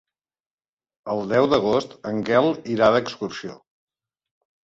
El deu d'agost en Quel irà d'excursió.